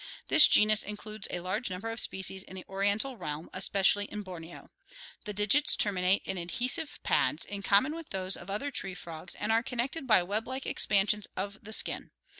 This genus includes a large number of species in the Oriental realm, especially in Borneo. The digits terminate in adhesive pads, in common with those of other tree frogs, and are connected by web like expansions of the skin.